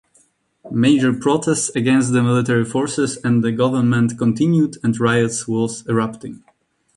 Major protests against the military forces and the government continued and Riots was erupting.